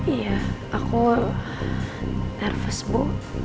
iya aku nervous bu